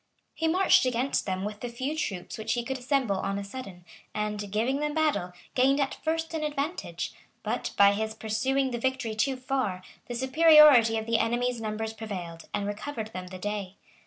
] He marched against them with the few troops which he could assemble on a sudden, and, giving them battle, gained at first an advantage; but, by his pursuing the victory too far, the superiority of the enemy's numbers prevailed, and recovered them the day.